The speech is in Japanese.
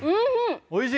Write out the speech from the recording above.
おいしい！